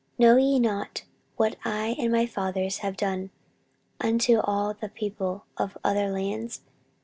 14:032:013 Know ye not what I and my fathers have done unto all the people of other lands?